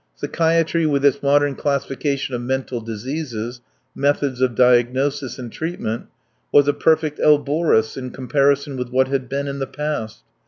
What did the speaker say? Psychiatry with its modern classification of mental diseases, methods of diagnosis, and treatment, was a perfect Elborus in comparison with what had been in the past.